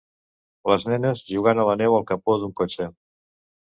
les nenes jugant a la neu al capó d'un cotxe